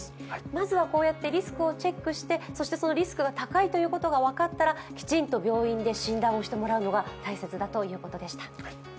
まずはこうやってリスクをチェックして、そのリスクが高いということが分かったらきちんと病院で診断をしてもらうのが大切だということでした。